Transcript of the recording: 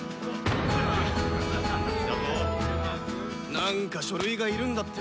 何か書類がいるんだって？